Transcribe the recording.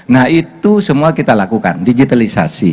nah itu semua kita lakukan digitalisasi